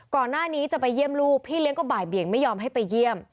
ก่อนหน้านี้จะไปเยี่ยมลูกพี่เลี้ยงก็บ่ายเบี่ยงไม่ยอมให้ไปเยี่ยม